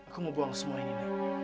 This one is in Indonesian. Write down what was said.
aku mau buang semua ini